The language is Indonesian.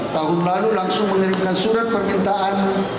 tahun lalu langsung mengirimkan surat permintaan